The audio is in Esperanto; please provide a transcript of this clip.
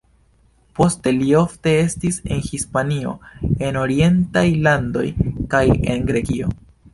Poste li ofte estis en Hispanio, en orientaj landoj kaj en Grekio.